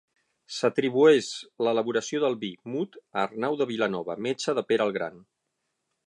S'atribueix l'elaboració del vi mut a Arnau de Vilanova, metge de Pere el Gran.